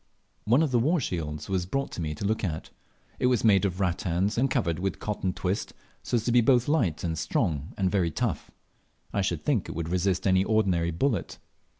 One of the war shields was brought me to look at. It was made of rattans and covered with cotton twist, so as to be both light, strong, and very tough. I should think it would resist any ordinary bullet.